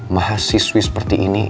mahasiswi seperti ini